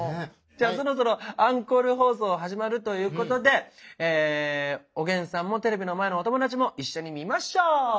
じゃあそろそろアンコール放送始まるということでおげんさんもテレビの前のお友達も一緒に見ましょう！